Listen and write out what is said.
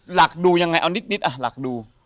หลักดูยังไงเอานิด